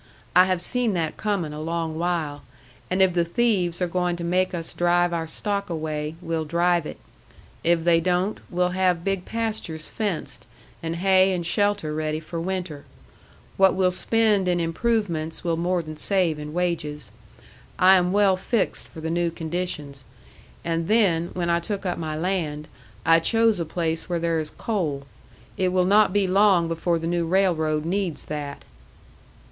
"I have seen that coming a long while. And if the thieves are going to make us drive our stock away, we'll drive it. If they don't, we'll have big pastures fenced, and hay and shelter ready for winter. What we'll spend in improvements, we'll more than save in wages. I am well fixed for the new conditions. And then, when I took up my land, I chose a place where there is coal. It will not be long before the new railroad needs that."